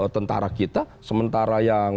tentara kita sementara yang